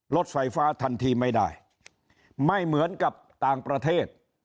รถไฟฟ้าทันทีไม่ได้ไม่เหมือนกับต่างประเทศ